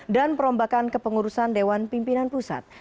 dan perombakan ke pengurusan dewan pimpinan pusat